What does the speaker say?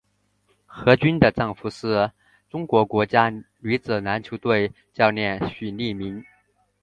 何军的丈夫是中国国家女子篮球队教练许利民。